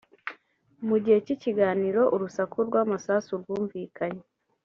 Mu gihe cy’ikiganiro urusaku rw’amasasu rwumvikanye